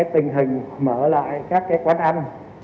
tình hình mở lại các quán ăn